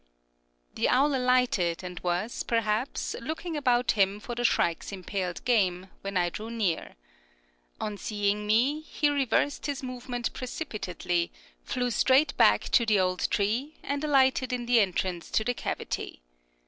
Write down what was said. The owl alighted, and was, perhaps, looking about him for the shrike's impaled game, when I drew near. On seeing me, he reversed his movement precipitately, flew straight back to the old tree, and alighted in the entrance to the cavity.